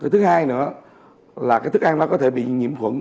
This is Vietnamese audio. thứ hai nữa là cái thức ăn nó có thể bị nhiễm khuẩn